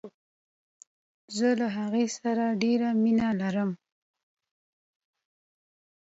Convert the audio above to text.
زه له هغې سره ډیره مینه لرم.